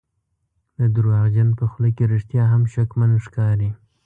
د دروغجن په خوله کې رښتیا هم شکمن ښکاري.